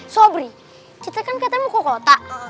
sobri kita kan katanya mau ke kota